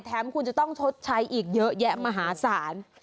คุณจะต้องชดใช้อีกเยอะแยะมหาศาล